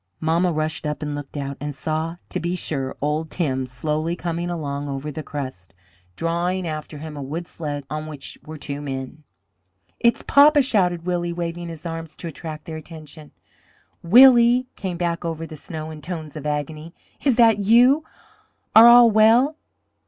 Mamma rushed up and looked out, and saw to be sure old Tim slowly coming along over the crust, drawing after him a wood sled on which were two men. "It's papa!" shouted Willie, waving his arms to attract their attention. "Willie!" came back over the snow in tones of agony. "Is that you? Are all well?"